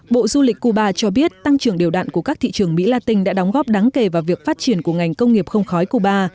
bộ du lịch cuba cho biết tăng trưởng điều đạn của các thị trường mỹ la tinh đã đóng góp đáng kể vào việc phát triển của ngành công nghiệp không khói cuba